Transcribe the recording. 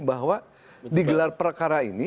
bahwa di gelar perkara ini